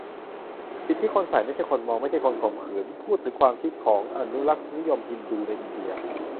ผิดที่คนใส่ ไม่ใช่คนมอง ไม่ใช่คนข่มขืน - พูดถึงความคิดของ อนุรักษ์นิยมฮินดู ในอินเดีย